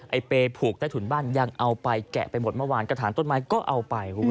เปรยผูกใต้ถุนบ้านยังเอาไปแกะไปหมดเมื่อวานกระถางต้นไม้ก็เอาไปคุณผู้ชม